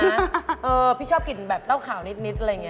อือพี่ชอบกลิ่นเปล่าเข่านิดอะไรเนี้ย